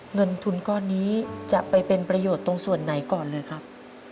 เงินทุนก้อนนี้จะไปเป็นประโยชน์ตรงส่วนไหนก่อนเลยครับ